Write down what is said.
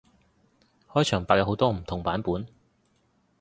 開場白有好多唔同版本